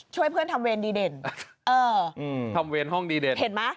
ช่วยเพื่อนทำเวรดีเด่นเอออืมทำเวรห้องดีเด่นเห็นไหม